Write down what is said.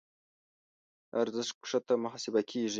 له ارزښت کښته محاسبه کېږي.